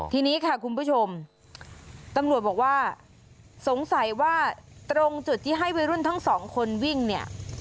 ทีนี้ค่ะคุณผู้ชมตำรวจบอกว่าสงสัยว่าตรงจุดที่ให้วัยรุ่นทั้งสองคนวิ่งเนี่ย